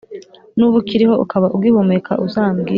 Nuba ukiriho, ukaba ugihumeka, uzambwire